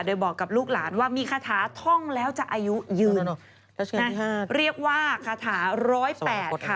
โดยบอกกับลูกหลานว่ามีคาถาท่องแล้วจะอายุยืนเรียกว่าคาถา๑๐๘ค่ะ